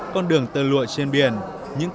con đường tờ lụa trên biển